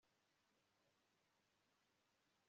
aho cyntia yari yicaye yari